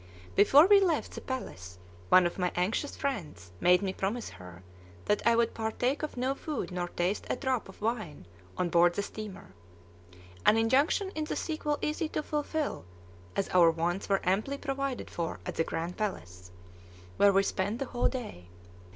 Before we left the palace one of my anxious friends made me promise her that I would partake of no food nor taste a drop of wine on board the steamer, an injunction in the sequel easy to fulfil, as our wants were amply provided for at the Grand Palace, where we spent the whole day.